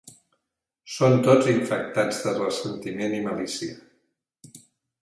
Són tots infectats de ressentiment i malícia.